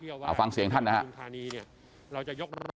เอาฟังเสียงท่านนะฮะ